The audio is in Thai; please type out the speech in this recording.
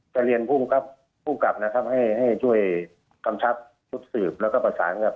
จะเรียนผู้กลับนะครับให้ช่วยคำชัดสืบแล้วก็ประสาทสืบ